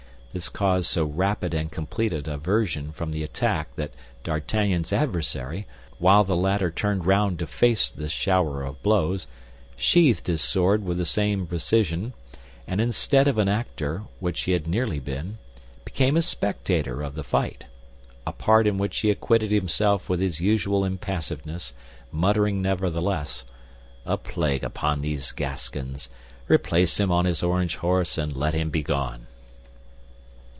This caused so rapid and complete a diversion from the attack that D'Artagnan's adversary, while the latter turned round to face this shower of blows, sheathed his sword with the same precision, and instead of an actor, which he had nearly been, became a spectator of the fight—a part in which he acquitted himself with his usual impassiveness, muttering, nevertheless, "A plague upon these Gascons! Replace him on his orange horse, and let him begone!"